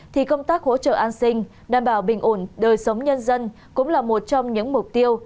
thì công tác hỗ trợ an sinh đảm bảo bình ổn đời sống nhân dân cũng là một trong những mục tiêu